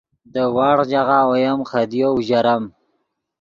دے وڑغ ژاغہ اویم خدیو اوژرم